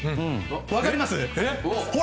分かります？